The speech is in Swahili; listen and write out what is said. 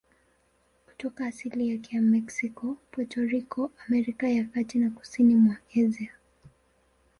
Kutoka asili yake ya Meksiko, Puerto Rico, Amerika ya Kati na kusini mwa Asia.